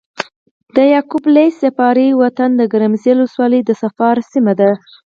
د يعقوب ليث صفاري وطن د ګرمسېر ولسوالي د صفار سيمه ده۔